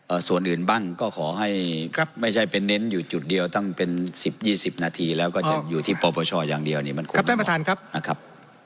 อ่าส่วนอื่นบ้างก็ขอให้ครับไม่ใช่เป็นเน้นอยู่จุดเดียวตั้งเป็น๑๐๒๐นาทีแล้วก็อยู่ที่ปรปชอย่างเดียวมันท่านประทานครับนะครับ